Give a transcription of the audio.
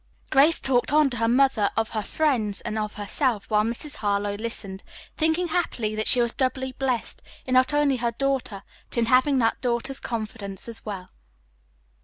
Grace talked on to her mother of her friends and of herself while Mrs. Harlowe listened, thinking happily that she was doubly blessed in not only her daughter, but in having that daughter's confidence as well.